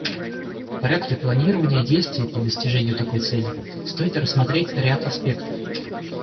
В порядке планирования действий по достижению такой цели стоит рассмотреть ряд аспектов.